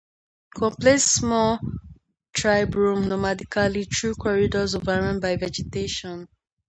Complain's small tribe roam nomadically through corridors overrun by vegetation.